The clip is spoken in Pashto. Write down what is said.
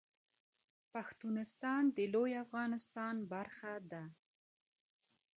پښتونستان د لوی افغانستان برخه ده